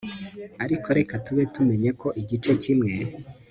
ariko reka tube tumenye ko igice kimwe